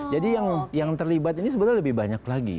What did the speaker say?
jadi yang terlibat ini sebenarnya lebih banyak lagi